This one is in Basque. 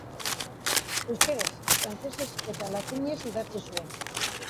Euskaraz, frantsesez eta latinez idatzi zuen.